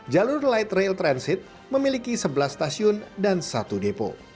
jalur light rail transit memiliki sebelas stasiun dan satu depo